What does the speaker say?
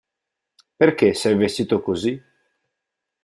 Perché sei vestito così?